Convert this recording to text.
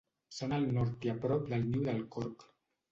Són al nord i a prop del Niu del Corc.